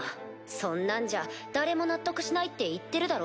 そんなんじゃ誰も納得しないって言ってるだろ？